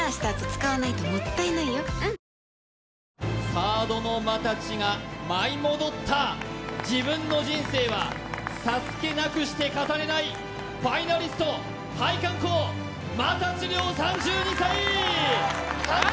サードの又地が舞い戻った自分の人生はＳＡＳＵＫＥなくして語れないファイナリスト又地ー！